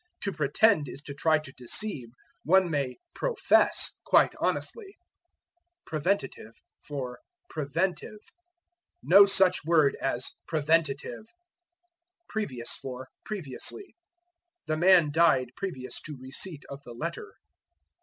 To pretend is to try to deceive; one may profess quite honestly. Preventative for Preventive. No such word as preventative. Previous for Previously. "The man died previous to receipt of the letter."